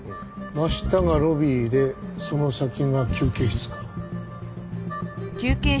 真下がロビーでその先が休憩室か。